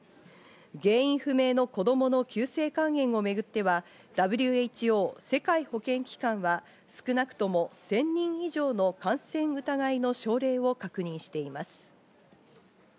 原因不明の子供の急性肝炎をめぐっては、ＷＨＯ＝世界保健機関は、少なくとも１０００人以上の感染疑いの症例を確認しています。